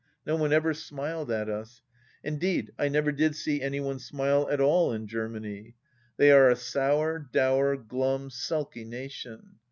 No one ever smiled at us. In deed, I never did see any one smile at all in Germany. They are a sour, dour, glum, sulky nation.